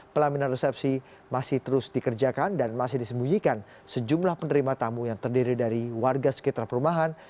pelaminan resepsi masih terus dikerjakan dan masih disembunyikan sejumlah penerima tamu yang terdiri dari warga sekitar perumahan